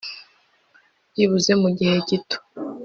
byibuze mugihe gito